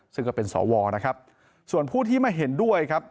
ซึ่งก็เป็นสวนะครับส่วนผู้ที่ไม่เห็นด้วยครับ